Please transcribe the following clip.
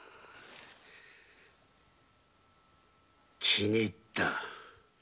気に入った。